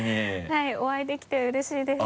はいお会いできてうれしいです。